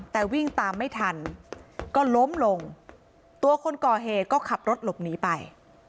แต่วิ่งตามไม่ทันก็ล้มลงตัวคนก่อเหตุก็ขับรถหลบหนีไป